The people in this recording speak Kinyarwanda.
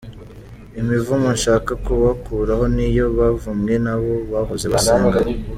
Imivumo nshaka kubakuraho ni iyo bavumwe n’abo bahoze basengana.